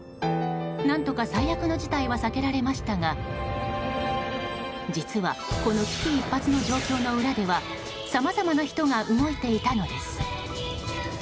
何とか最悪の事態は避けられましたが実はこの危機一髪の状況の裏ではさまざまな人が動いていたのです。